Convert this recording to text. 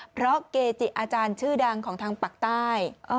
เพราะเกจิอาจารย์ชื่อดังของทางปากใต้